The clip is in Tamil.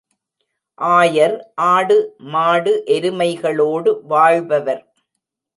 ஆயர் ஆடு, மாடு, எருமைகளோடு வாழ்பவர்.